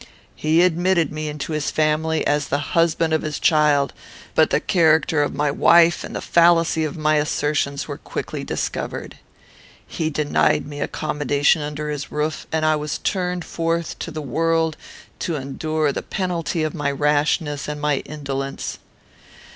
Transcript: He admitted me into his family, as the husband of his child; but the character of my wife and the fallacy of my assertions were quickly discovered. He denied me accommodation under his roof, and I was turned forth to the world to endure the penalty of my rashness and my indolence.